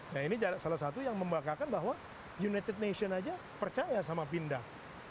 nah ini salah satu yang membanggakan bahwa united nations saja percaya sama pindah